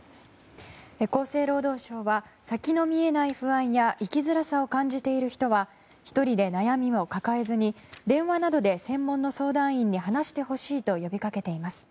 厚生労働省は先の見えない不安や生きづらさを感じている人は１人で悩みを抱えずに電話などで専門の相談員に話してほしいと呼びかけています。＃